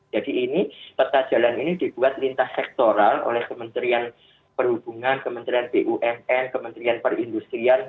jadi ini peta jalan ini dibuat lintas sektoral oleh kementerian perhubungan kementerian bumn kementerian perindustrian